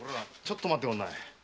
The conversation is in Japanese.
ちょっと待っておくんな。